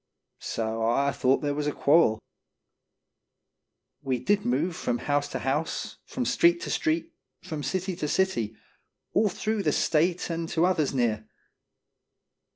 So I thought there was a quarrel; We did move from house to house, from street to street, from city to city, all through the State and to others near.